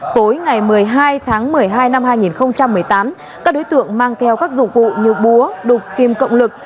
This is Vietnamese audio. tối ngày một mươi hai tháng một mươi hai năm hai nghìn một mươi tám các đối tượng mang theo các dụng cụ như búa đục kim cộng lực